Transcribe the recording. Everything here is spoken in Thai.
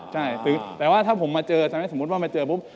ใช่แต่ว่าถ้าผมมาเจอทำให้สมมุติว่ามาเจอปุ๊บ